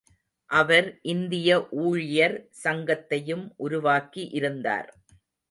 அவர் இந்திய ஊழியர் சங்கத்தையும் உருவாக்கி இருந்தார்.